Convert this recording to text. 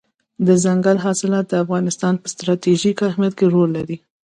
دځنګل حاصلات د افغانستان په ستراتیژیک اهمیت کې رول لري.